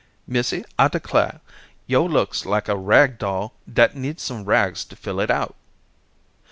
"Missy, I declah, yo' looks like a rag bag dat needs some rags to fill it out.